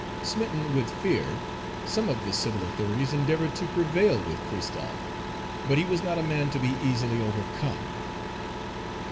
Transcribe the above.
Smitten with fear, some of the civil authorities endeavored to prevail with Christophe, but he was not a man to be easily overcome.